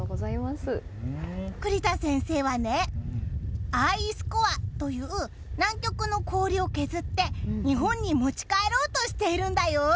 栗田先生はアイスコアという南極の氷を削って日本に持ち帰ろうとしているんだよ。